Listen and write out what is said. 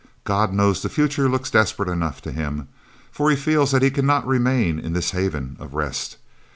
God knows the future looks desperate enough to him, for he feels that he cannot remain in this haven of rest.